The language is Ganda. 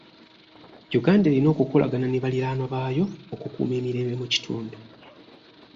Uganda erina okukolagana ne baliraanwa baayo okukuuma emirembe mu kitundu.